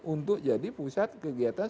untuk jadi pusat kegiatan